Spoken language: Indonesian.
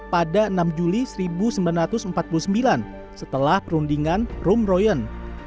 pada enam juli seribu sembilan ratus empat puluh sembilan setelah perundingan room royen